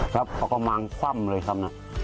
ครับพ่อกระมังซ่ำเลยซ่ำน่ะ